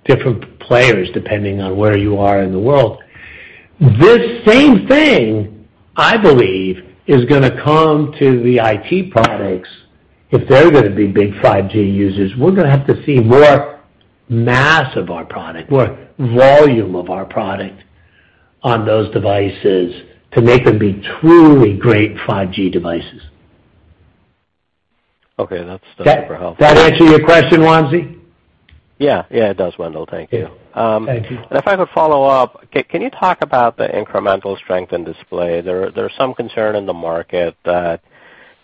different players depending on where you are in the world. This same thing, I believe, is going to come to the IT products if they're going to be big 5G users. We're going to have to see more mass of our product, more volume of our product on those devices to make them be truly great 5G devices. Okay, that's super helpful. Does that answer your question, Wamsi? Yeah. It does, Wendell. Thank you. Thank you. If I could follow up, can you talk about the incremental strength in display? There's some concern in the market that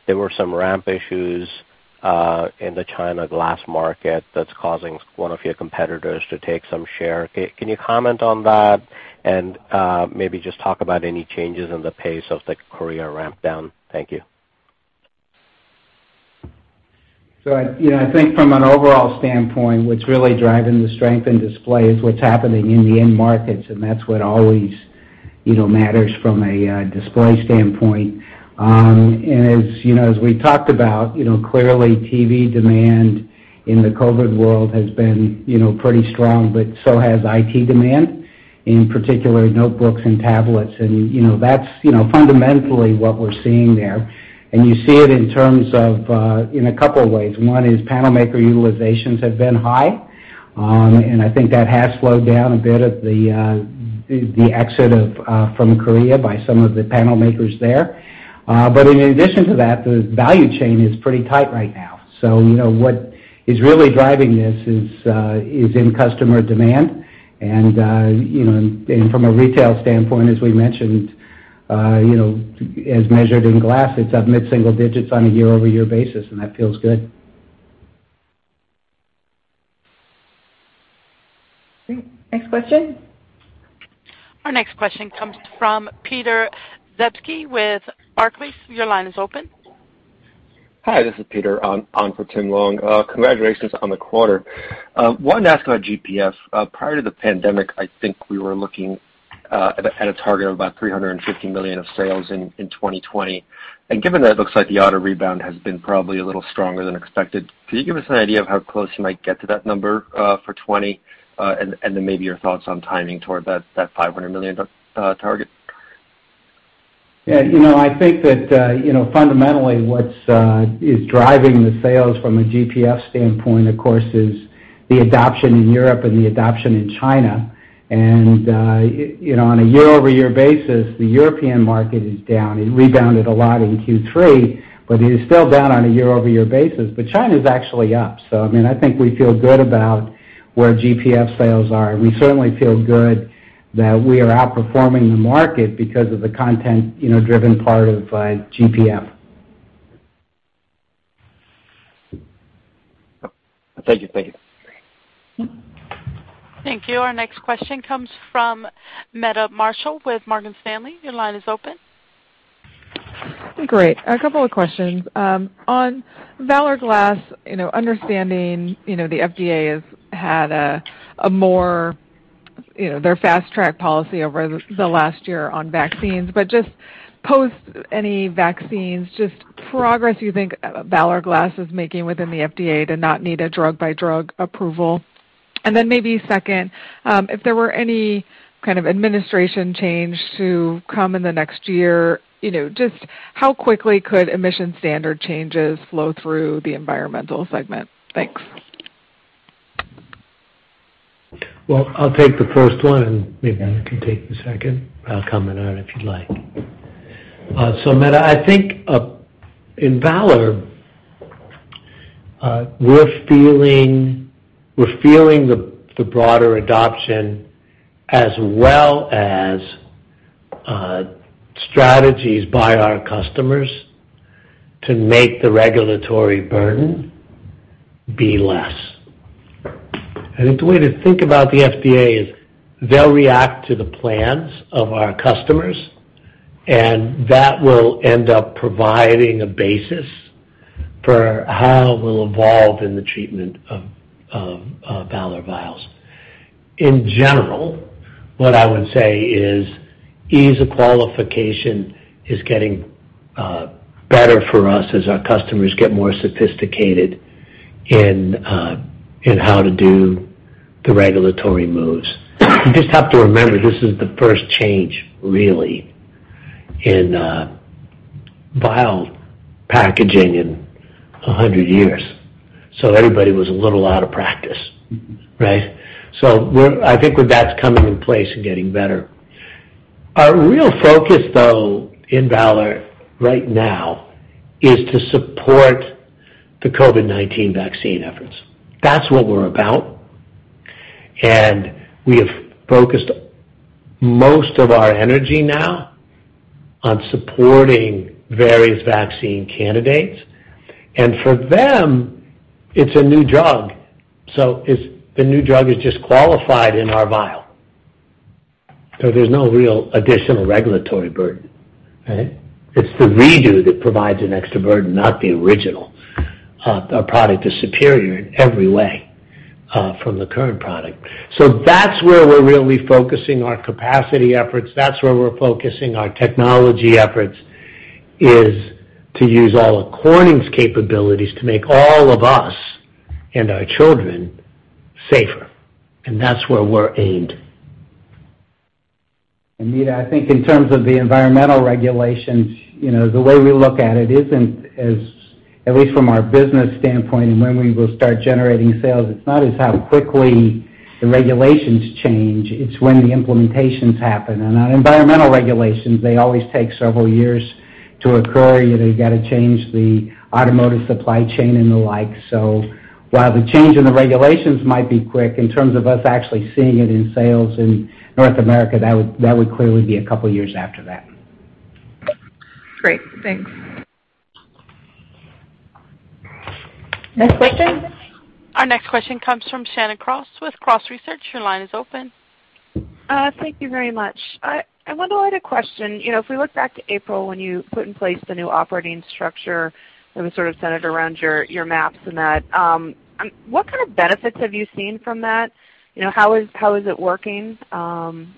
there were some ramp issues in the China glass market that's causing one of your competitors to take some share. Can you comment on that and maybe just talk about any changes in the pace of the Korea ramp down? Thank you. I think from an overall standpoint, what's really driving the strength in display is what's happening in the end markets, and that's what always matters from a display standpoint. As we talked about, clearly TV demand in the COVID world has been pretty strong, but so has IT demand, in particular notebooks and tablets. That's fundamentally what we're seeing there. You see it in terms of in a couple of ways. One is panel maker utilizations have been high, and I think that has slowed down a bit at the exit from Korea by some of the panel makers there. In addition to that, the value chain is pretty tight right now. What is really driving this is in customer demand. From a retail standpoint, as we mentioned, as measured in glass, it's up mid-single digits on a year-over-year basis, and that feels good. Great. Next question. Our next question comes from Peter Zdebski with Barclays. Your line is open. Hi, this is Peter on for Tim Long. Congratulations on the quarter. Wanted to ask about GPF. Prior to the pandemic, I think we were looking at a target of about $350 million of sales in 2020. Given that it looks like the auto rebound has been probably a little stronger than expected, could you give us an idea of how close you might get to that number for 2020? Then maybe your thoughts on timing toward that $500 million target. Yeah. I think that fundamentally what is driving the sales from a GPF standpoint, of course, is the adoption in Europe and the adoption in China. On a year-over-year basis, the European market is down. It rebounded a lot in Q3, but it is still down on a year-over-year basis. China's actually up. I think we feel good about where GPF sales are. We certainly feel good that we are outperforming the market because of the content-driven part of GPF. Thank you. Thank you. Our next question comes from Meta Marshall with Morgan Stanley. Your line is open. Great. A couple of questions. On Valor Glass, understanding the FDA has had their fast-track policy over the last year on vaccines, post any vaccines, just progress you think Valor Glass is making within the FDA to not need a drug-by-drug approval. Maybe second, if there were any kind of administration change to come in the next year, just how quickly could emission standard changes flow through the environmental segment? Thanks. Well, I'll take the first one, and maybe you can take the second. I'll comment on it if you'd like. Meta, I think in Valor, we're feeling the broader adoption as well as strategies by our customers to make the regulatory burden be less. I think the way to think about the FDA is they'll react to the plans of our customers, and that will end up providing a basis for how we'll evolve in the treatment of Valor vials. In general, what I would say is ease of qualification is getting better for us as our customers get more sophisticated in how to do the regulatory moves. You just have to remember, this is the first change really in vial packaging in 100 years, so everybody was a little out of practice. Right? I think that's coming in place and getting better. Our real focus, though, in Valor right now is to support the COVID-19 vaccine efforts. That's what we're about. We have focused most of our energy now on supporting various vaccine candidates. For them, it's a new drug. The new drug is just qualified in our vial. There's no real additional regulatory burden, okay? It's the redo that provides an extra burden, not the original. Our product is superior in every way from the current product. That's where we're really focusing our capacity efforts. That's where we're focusing our technology efforts, is to use all of Corning's capabilities to make all of us and our children safer. That's where we're aimed. Meta, I think in terms of the environmental regulations, the way we look at it isn't as, at least from our business standpoint and when we will start generating sales, it's not as how quickly the regulations change. It's when the implementations happen. On environmental regulations, they always take several years to occur. You've got to change the automotive supply chain and the like. While the change in the regulations might be quick, in terms of us actually seeing it in sales in North America, that would clearly be a couple of years after that. Great. Thanks. Next question. Our next question comes from Shannon Cross with Cross Research. Your line is open. Thank you very much. I wanted to question, if we look back to April when you put in place the new operating structure that was sort of centered around your MAPs and that, what kind of benefits have you seen from that? How is it working?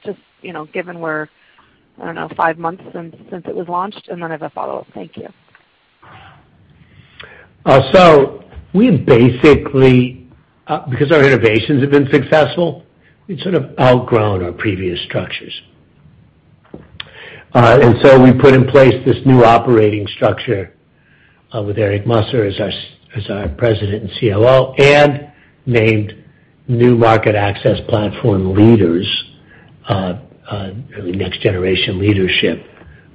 Just given we're, I don't know, five months since it was launched, and then I have a follow-up. Thank you. We basically, because our innovations have been successful, we'd sort of outgrown our previous structures. We put in place this new operating structure with Eric Musser as our President and COO, and named new market access platform leaders, next generation leadership,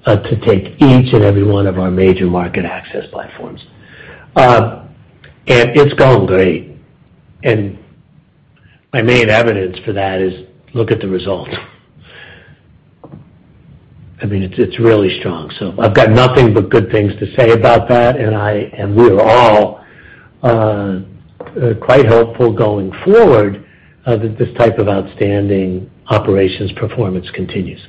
to take each and every one of our major market access platforms. It's going great. My main evidence for that is look at the results. It's really strong. I've got nothing but good things to say about that, and we are all quite hopeful going forward that this type of outstanding operations performance continues.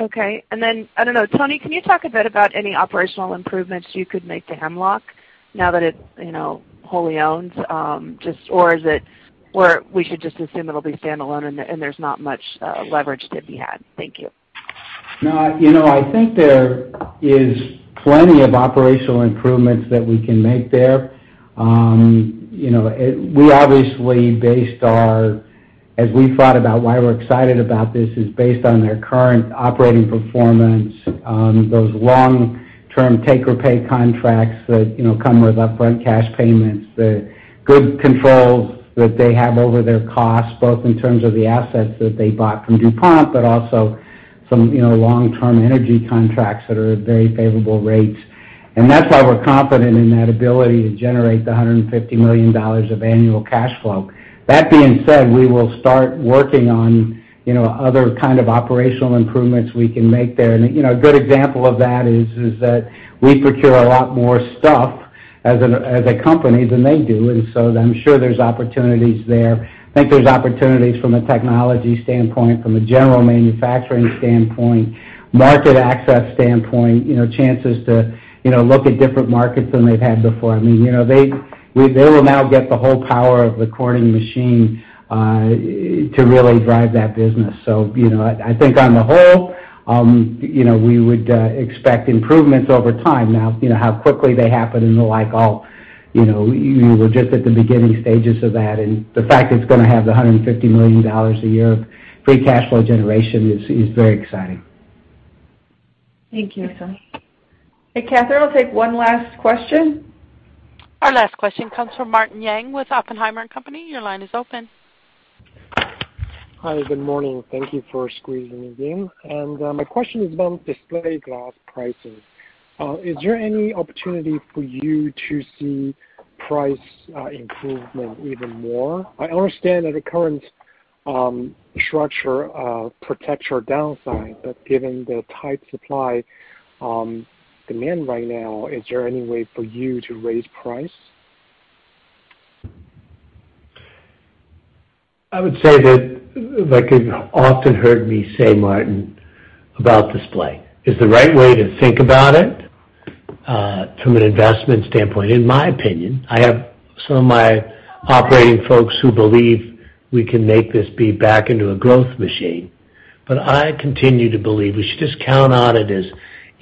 Okay. I don't know, Tony, can you talk a bit about any operational improvements you could make to Hemlock now that it's wholly owned? Or is it where we should just assume it'll be standalone and there's not much leverage to be had? Thank you. I think there is plenty of operational improvements that we can make there. We obviously, as we thought about why we're excited about this, is based on their current operating performance, those long-term take-or-pay contracts that come with upfront cash payments, the good controls that they have over their costs, both in terms of the assets that they bought from DuPont, but also some long-term energy contracts that are at very favorable rates. That is why we're confident in that ability to generate the $150 million of annual cash flow. That being said, we will start working on other kind of operational improvements we can make there. A good example of that is that we procure a lot more stuff as a company than they do, and so I'm sure there's opportunities there. I think there's opportunities from a technology standpoint, from a general manufacturing standpoint, market access standpoint, chances to look at different markets than they've had before. They will now get the whole power of the Corning machine to really drive that business. I think on the whole, we would expect improvements over time. How quickly they happen and the like all, we're just at the beginning stages of that, and the fact it's going to have the $150 million a year free cash flow generation is very exciting. Thank you. Hey, Catherine, we'll take one last question. Our last question comes from Martin Yang with Oppenheimer & Co. Inc. Your line is open. Hi, good morning. Thank you for squeezing me in. My question is about display glass pricing. Is there any opportunity for you to see price improvement even more? I understand that the current structure protects your downside. Given the tight supply demand right now, is there any way for you to raise price? I would say that, like you've often heard me say, Martin, about Display, is the right way to think about it, from an investment standpoint, in my opinion, I have some of my operating folks who believe we can make this be back into a growth machine. I continue to believe we should just count on it as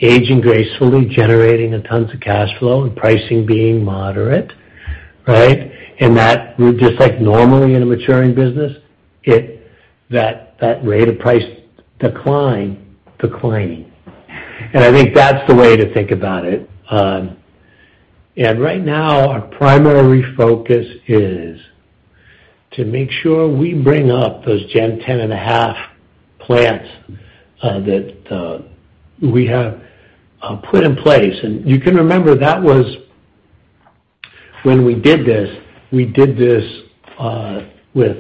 aging gracefully, generating tons of cash flow and pricing being moderate. Right? That just like normally in a maturing business, that rate of price decline, declining. I think that's the way to think about it. Right now, our primary focus is to make sure we bring up those Gen 10.5 plants that we have put in place. You can remember that was when we did this, we did this with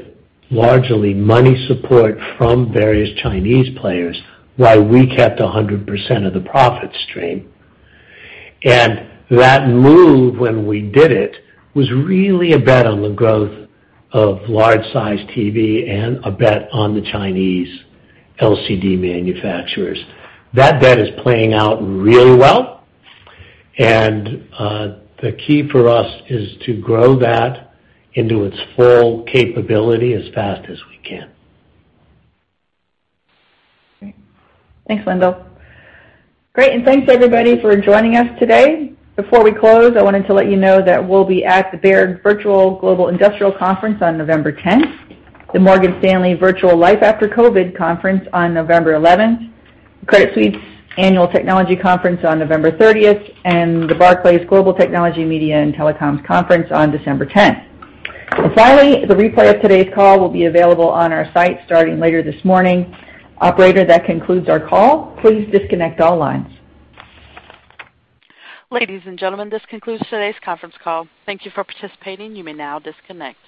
largely money support from various Chinese players while we kept 100% of the profit stream. That move when we did it, was really a bet on the growth of large size TV and a bet on the Chinese LCD manufacturers. That bet is playing out really well, and the key for us is to grow that into its full capability as fast as we can. Great. Thanks, Wendell. Great. Thanks everybody for joining us today. Before we close, I wanted to let you know that we'll be at the Baird Virtual Global Industrial Conference on November 10th, the Morgan Stanley Virtual Life After COVID conference on November 11th, the Credit Suisse's Annual Technology Conference on November 30th, the Barclays Global Technology, Media and Telecommunications Conference on December 10th. Finally, the replay of today's call will be available on our site starting later this morning. Operator, that concludes our call. Please disconnect all lines. Ladies and gentlemen, this concludes today's conference call. Thank you for participating. You may now disconnect.